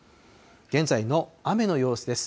現在の雨の様子です。